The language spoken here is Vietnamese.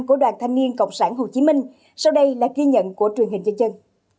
của đoàn thanh niên cộng sản hồ chí minh sau đây là ghi nhận của truyền hình chân chân